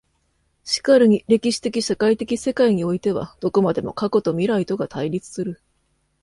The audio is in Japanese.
然るに歴史的社会的世界においてはどこまでも過去と未来とが対立する。